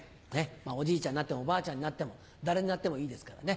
おじいちゃんになってもおばあちゃんになっても誰になってもいいですからね。